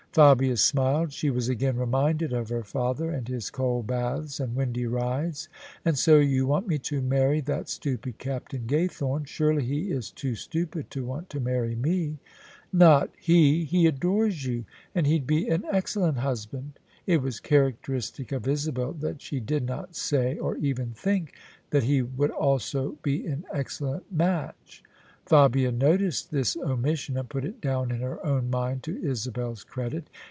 Fabia smiled. She was again reminded of her father and his cold baths and windy rides. " And so you want me to marry that stupid Captain Gaythorne? Surely he is too stupid to want to marry me?" " Not he ! He adores you, and he'd be an excellent hus band." It was characteristic of Isabel that she did not say ^ or even think — that he would also be an excellent match. Fabia noticed this omission and put it down in her own mind to Isabel's credit.